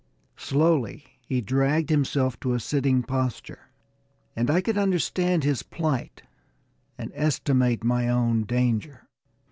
Slowly he dragged himself to a sitting posture, and I could understand his plight and estimate my own danger.